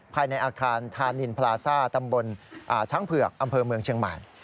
ภายในอ่าคารทานิลพาลาซ่าตำบลช้างเผือกเอมืองเชียงมาย